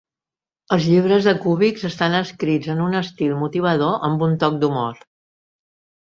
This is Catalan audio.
Els llibres de Kubiks estan escrits en un estil motivador, amb un toc d'humor.